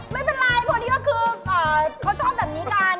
ไม่เป็นไรพอที่ว่าคือโครชอบแบบนี้กัน